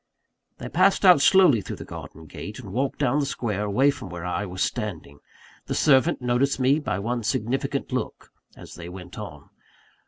They passed out slowly through the garden gate, and walked down the square, away from where I was standing. The servant noticed me by one significant look, as they went on.